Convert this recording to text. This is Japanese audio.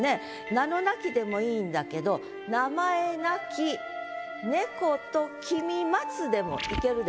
「名の無き」でもいいんだけど「名前なき猫と君待つ」でもいけるでしょ。